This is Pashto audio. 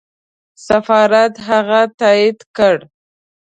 سفارت هغه تایید کړ.